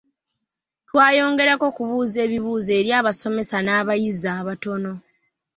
Twayongerako okubuuza ebiibuuzo eri abasomesa n’abayizi abatono.